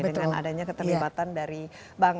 dengan adanya keterlibatan dari bank